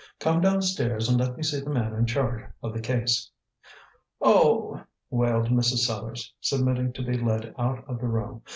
"Come downstairs, and let me see the man in charge of the case." "Oh!" wailed Mrs. Sellars, submitting to be led out of the room.